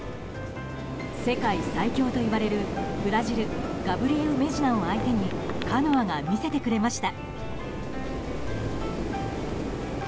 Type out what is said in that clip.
世界最強といわれる、ブラジルガブリエウ・メジナを相手にカノアが見せてくれました。